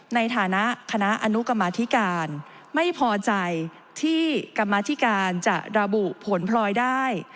ในฐานะคณะอนุกรรมธิการไม่พอใจที่กรรมธิการจะระบุผลพลอยได้